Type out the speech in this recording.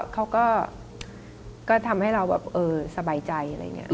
เขาก็ทำให้เราสบายใจ